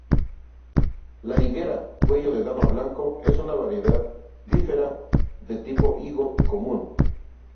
La higuera 'Cuello de Dama Blanco' es una variedad "bífera" de tipo higo común.